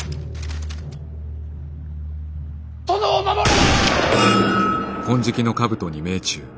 殿を守れ！